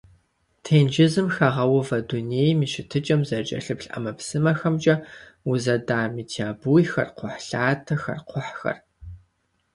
Тенджызым хагъэувэ дунейм и щытыкӀэм зэрыкӀэлъыплъ ӀэмэпсымэхэмкӀэ узэда метеобуйхэр, кхъухьлъатэхэр, кхъухьхэр.